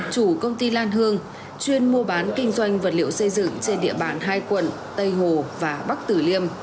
chủ công ty lan hương chuyên mua bán kinh doanh vật liệu xây dựng trên địa bàn hai quận tây hồ và bắc tử liêm